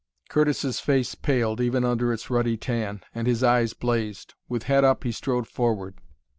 Curtis's face paled, even under its ruddy tan, and his eyes blazed. With head up he strode forward.